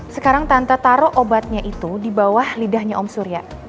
sekarang tante taruh obatnya itu di bawah lidahnya om surya